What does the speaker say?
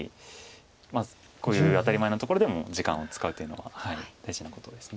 こういう当たり前のところでも時間を使うというのは大事なことです。